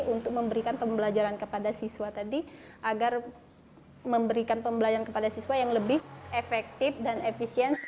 untuk memberikan pembelajaran kepada siswa tadi agar memberikan pembelajaran kepada siswa yang lebih efektif dan efisien